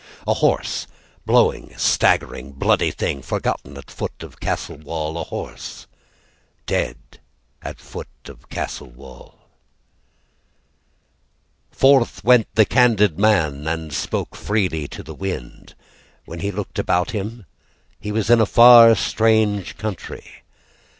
.. A horse, Blowing, staggering, bloody thing, Forgotten at foot of castle wall. A horse Dead at foot of castle wall. Forth went the candid man And spoke freely to the wind When he looked about him he was in a far strange country.